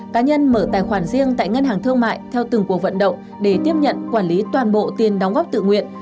cá nhân mở tài khoản riêng tại ngân hàng thương mại theo từng cuộc vận động để tiếp nhận quản lý toàn bộ tiền đóng góp tự nguyện